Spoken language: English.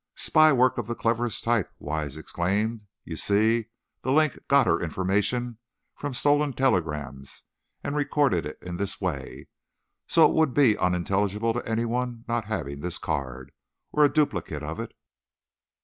"Spy work of the cleverest type," Wise exclaimed; "you see, 'The Link' got her information from stolen telegrams, and recorded it in this way, so it would be unintelligible to anyone not having this card, or a duplicate of it."